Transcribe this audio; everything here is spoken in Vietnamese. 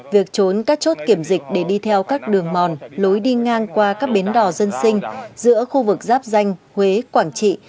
việc trốn các chốt kiểm dịch để đi theo các đường mòn lối đi ngang qua các bến đỏ dân sinh giữa khu vực giáp danh huế quảng trị